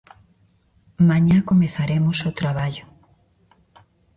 Mañá comezaremos o traballo.